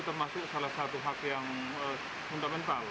termasuk salah satu hak yang fundamental